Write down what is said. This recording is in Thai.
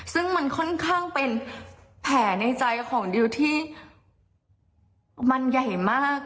ซึ่งมันค่อนข้างเป็นแผลในใจของดิวที่มันใหญ่มาก